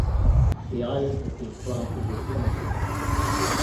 The island has been planted with conifers.